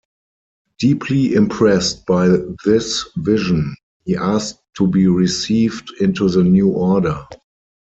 Deeply impressed by this vision, he asked to be received into the new order.